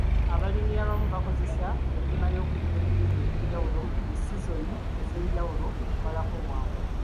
Abalimi abamu bakozesa ennima y'okulima ebirime eby'enjawulo mu sizoni ez'enjawulo okumalako omwaka.